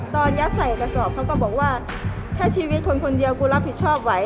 ยัดใส่กระสอบเขาก็บอกว่าแค่ชีวิตคนคนเดียวกูรับผิดชอบไหว